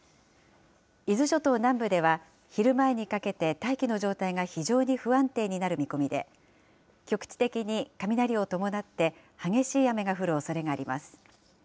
伊豆諸島南部では、昼前にかけて大気の状態が非常に不安定になる見込みで、局地的に雷を伴って、激しい雨が降るおそれがあります。